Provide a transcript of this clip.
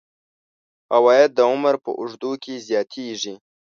عواید د عمر په اوږدو کې زیاتیږي.